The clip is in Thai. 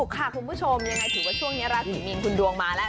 ค่ะคุณผู้ชมยังไงถือว่าช่วงนี้ราศีมีนคุณดวงมาแล้ว